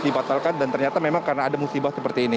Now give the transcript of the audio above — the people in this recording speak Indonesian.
dibatalkan dan ternyata memang karena ada musibah seperti ini